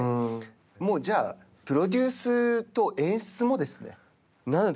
もうプロデュースと演出もですね。